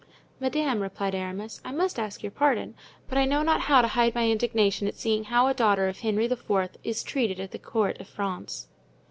"Madame," replied Aramis, "I must ask your pardon, but I know not how to hide my indignation at seeing how a daughter of Henry IV. is treated at the court of France."